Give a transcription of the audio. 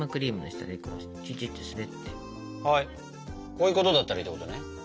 はいこういうことだったらいいってことね。